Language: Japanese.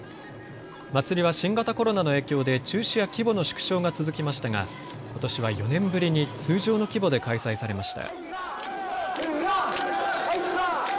祭りは新型コロナの影響で中止や規模の縮小が続きましたがことしは４年ぶりに通常の規模で開催されました。